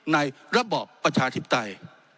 ในระบบประชาธิบใต้